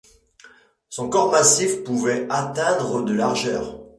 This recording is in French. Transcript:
Son corps massif pouvait atteindre de largeur.